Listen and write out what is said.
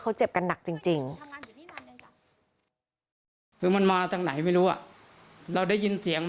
เขาเจ็บกันหนักจริง